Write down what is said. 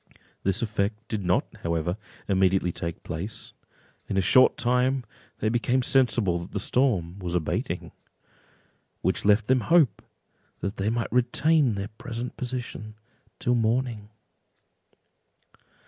This effect did not, however, immediately take place, and in a short time they became sensible that the storm was abating, which left them hope that they might retain their present position till morning.